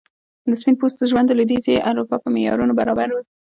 د سپین پوستو ژوند د لوېدیځي اروپا په معیارونو برابر و.